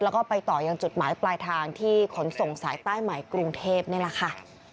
แล้วก็ไปต่อยังจุดหมายปลายทางที่ขนส่งสายใต้ใหม่กรุงเทพนี่แหละค่ะ